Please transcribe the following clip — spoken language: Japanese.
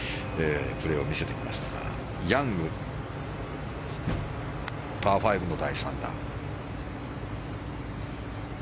プレーを見せてきましたヤング、パー５の第３打。